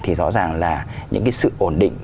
thì rõ ràng là những cái sự ổn định